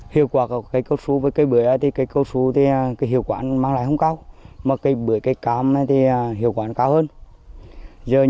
hiệu quả của cây cao su với cây bưởi thì cây cao su thì hiệu quả mang lại không cao mà cây bưởi cây cam này thì hiệu quả cao hơn